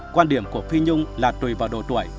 quan điểm của phi nhung là tùy vào độ tuổi